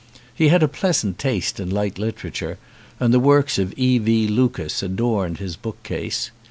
He had a pleasant taste in light literature and the works of E. V. Lucas adorned his book case.